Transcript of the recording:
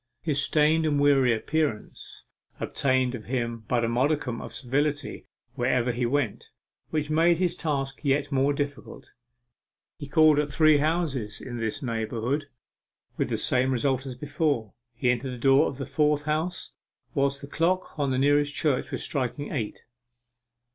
His stained and weary appearance obtained for him but a modicum of civility, wherever he went, which made his task yet more difficult. He called at three several houses in this neighbourhood, with the same result as before. He entered the door of the fourth house whilst the clock of the nearest church was striking eight.